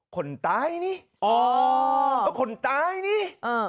คนใต้นี่คนใต้นี่